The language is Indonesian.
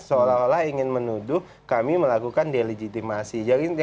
seolah olah ingin menuduh kami melakukan delegitimasi